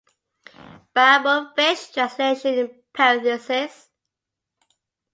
"Babelfish" translation in parenthesis.